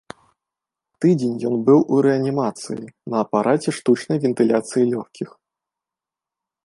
Тыдзень ён быў у рэанімацыі на апараце штучнай вентыляцыі лёгкіх.